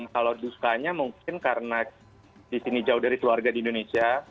kalau dukanya mungkin karena di sini jauh dari keluarga di indonesia